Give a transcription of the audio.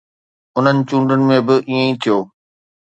انهن چونڊن ۾ به ائين ئي ٿيو.